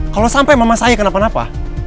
kalau sampai mama saya kenapa napa